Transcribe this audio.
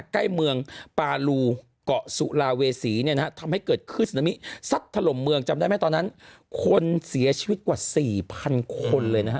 ใกล้เมืองปาลูเกาะสุราเวสีทำให้เกิดขึ้นสนามิสัตว์ถล่มเมืองจำได้ไหมตอนนั้นคนเสียชีวิตกว่า๔๐๐๐คนเลยนะครับ